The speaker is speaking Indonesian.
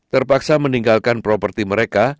terpaksa meninggalkan properti mereka